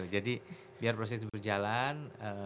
jadi biar proses itu berjalan